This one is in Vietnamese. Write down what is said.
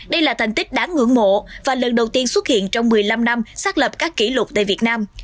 đây là thành tích đáng ngưỡng mộ và lần đầu tiên xuất hiện trong một mươi năm năm xác lập các kỷ lục tại việt nam